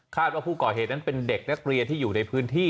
ว่าผู้ก่อเหตุนั้นเป็นเด็กนักเรียนที่อยู่ในพื้นที่